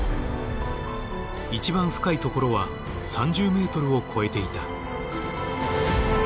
一番深いところは３０ｍを超えていた。